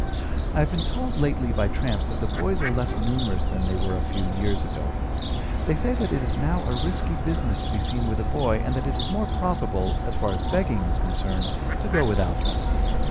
I have been told lately by tramps that the boys are less numerous than they were a few years ago. They say that it is now a risky business to be seen with a boy, and that it is more profitable, as far as begging is concerned, to go without them.